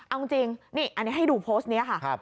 เอาจริงนี่อันนี้ให้ดูโพสต์นี้ค่ะ